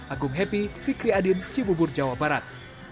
agung happy fikri adin cibubur jawa barat